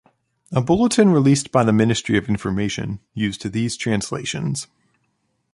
A bulletin released by the Ministry of Information used these translations.